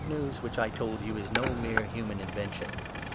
News which I told is no mere human invention.